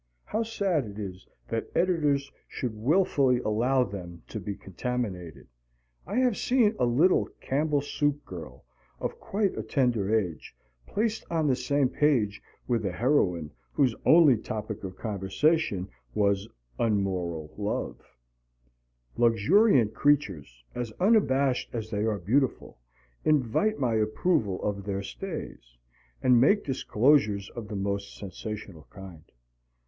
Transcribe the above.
(How sad it is that editors should wilfully allow them to be contaminated! I have seen a little Campbell Soup girl of quite a tender age, placed on the same page with a heroine whose only topic of conversation was unmoral love.) Luxuriant creatures, as unabashed as they are beautiful, invite my approval of their stays, and make disclosures of the most sensational kind.